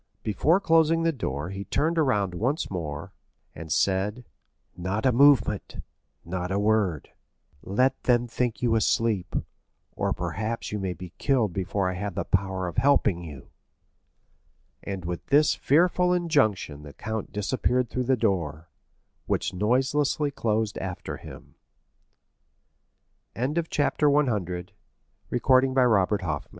Before closing the door he turned around once more, and said, "Not a movement—not a word; let them think you asleep, or perhaps you may be killed before I have the power of helping you." And with this fearful injunction the count disappeared through the door, which noiselessly closed after him. Chapter 101. Locusta Valentine was alone; two other clocks, slower t